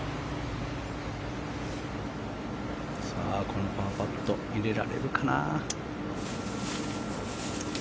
このパーパット入れられるかな。